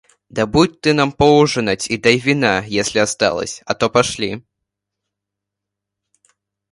Добудь ты нам поужинать и дай вина, если осталось, а то пошли.